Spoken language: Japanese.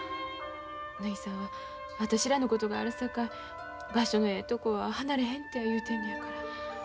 ぬひさんは私らのことがあるさか場所のええとこは離れへんて言うてんのやから。